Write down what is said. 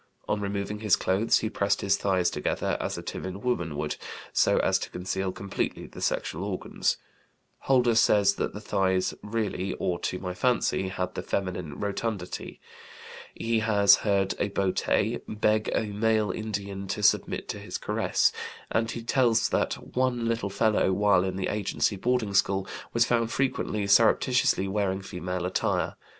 On removing his clothes he pressed his thighs together, as a timid woman would, so as to conceal completely the sexual organs; Holder says that the thighs "really, or to my fancy," had the feminine rotundity. He has heard a boté "beg a male Indian to submit to his caress," and he tells that "one little fellow, while in the agency boarding school, was found frequently surreptitiously wearing female attire.